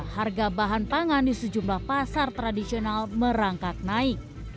harga bahan pangan di sejumlah pasar tradisional merangkak naik